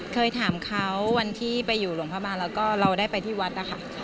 เคยถามเขาวันที่ไปอยู่หลวงพ่อบ้านแล้วก็เราได้ไปที่วัดนะคะ